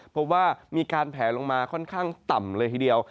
เพราะว่ามีการแผลลงมาค่อนข้างต่ำเลยทีเดียว